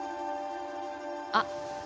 あっ。